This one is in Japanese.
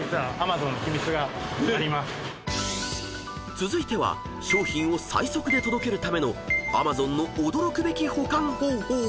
［続いては商品を最速で届けるためのＡｍａｚｏｎの驚くべき保管方法］